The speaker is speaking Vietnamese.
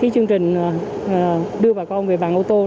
chương trình đưa bà con về bàn ô tô